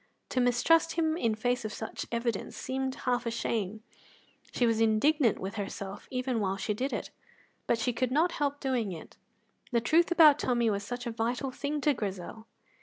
To mistrust him in face of such evidence seemed half a shame; she was indignant with herself even while she did it; but she could not help doing it, the truth about Tommy was such a vital thing to Grizel.